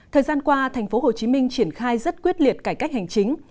thời gian qua tp hcm triển khai rất quyết liệt cải cách hành chính